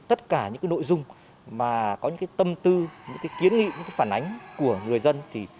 tất cả những nội dung mà có những tâm tư những kiến nghị những phản ánh của người dân